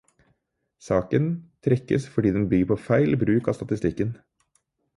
Saken trekkes fordi den bygger på feil bruk av statistikken.